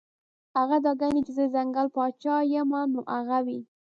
هغه دا ګڼي چې زۀ د ځنګل باچا يمه نو هغه وي -